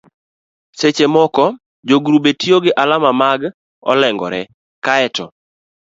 seche moko jogrube tiyo gi alama ma olengore kae to